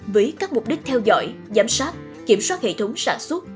với các mục đích theo dõi giám sát kiểm soát hệ thống sản xuất